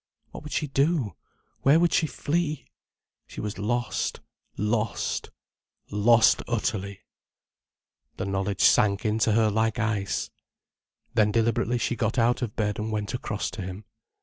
What would she do, where should she flee? She was lost—lost—lost utterly. The knowledge sank into her like ice. Then deliberately she got out of bed and went across to him.